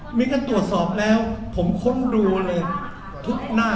อ๋อก็คือการตรวจสอบแล้วผมค้นดูเลยทุกหน้า